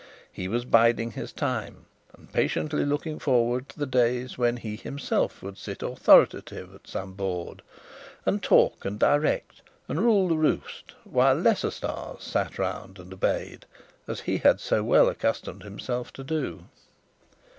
His was biding his time, and patiently looking forward to the days when he himself would sit authoritative at some board, and talk and direct, and rule the roost, while lesser stars sat round and obeyed, as he had so well accustomed himself to do.